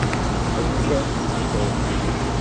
hazme caso, por favor.